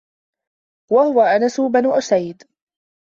وَهُوَ أَنَسُ بْنُ أُسَيْدٍ